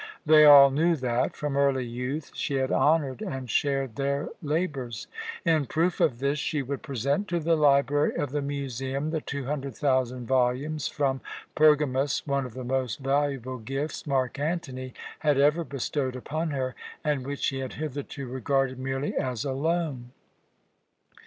They all knew that, from early youth, she had honoured and shared their labours. In proof of this, she would present to the library of the museum the two hundred thousand volumes from Pergamus, one of the most valuable gifts Mark Antony had ever bestowed upon her, and which she had hitherto regarded merely as a loan.